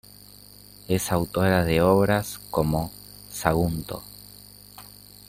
Es autora de obras como "Sagunto.